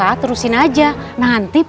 walaupun ulang tahun cukup